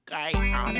あれ？